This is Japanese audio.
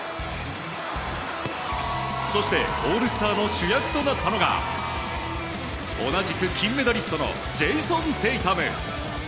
そしてオールスターの主役となったのが同じく金メダリストのジェイソン・テイタム。